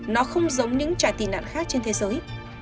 nó không giống những trà tị nạn khác trên thế giới